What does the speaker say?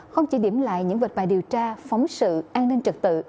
không chỉ điểm lại những vật bài điều tra phóng sự an ninh trật tự